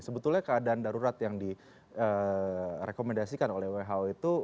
sebetulnya keadaan darurat yang direkomendasikan oleh who itu